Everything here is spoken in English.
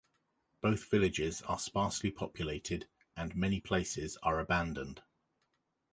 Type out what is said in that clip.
Both villages are sparsely populated and many places are abandoned.